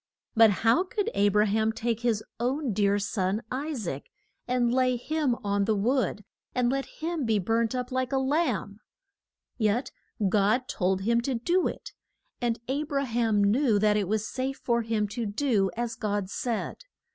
But how could A bra ham take his own dear son, I saac, and lay him on the wood, and let him be burnt up like a lamb? Yet God told him to do it, and A bra ham knew that it was safe for him to do as God said.